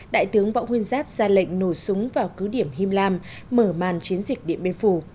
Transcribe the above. đại tướng võ nguyên giáp ra lệnh nổ súng vào cứ điểm him lam mở màn chiến dịch điện biên phủ